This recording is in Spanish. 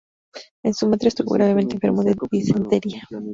En Sumatra estuvo gravemente enfermo de disentería.